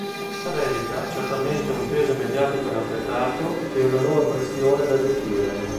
Per Erica certamente un peso mediatico inaspettato e una nuova pressione da gestire.